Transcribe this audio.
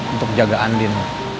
untuk jaga andin